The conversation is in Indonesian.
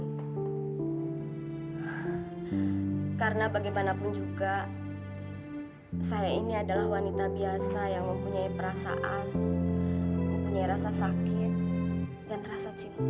hai karena bagaimanapun juga hai saya ini adalah wanita biasa yang mempunyai perasaan mempunyai rasa sakit dan rasa cinta